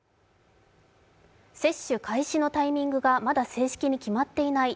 接種開始のタイミングがまだ正式に決まっていない